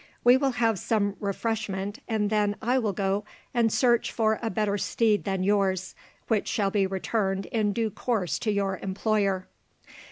We will have some refreshment, and then I will go and search for a better steed than yours, which shall be returned in due course to your employer."